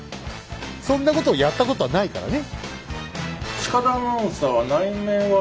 そんなことやったことはないからね？